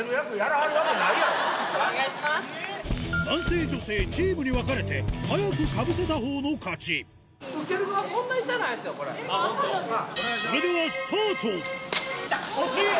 男性女性チームに分かれて早くかぶせたほうの勝ちあぁ本当？